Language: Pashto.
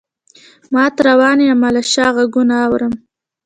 مات روان یمه له شا غــــــــږونه اورم